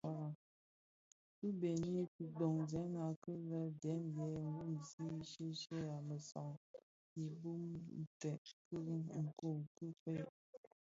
Ki bëni kidogsèna ki lè dèm yè wumzi shyeshye a mesaň ibu u tsèb ki nkun ki fuèi.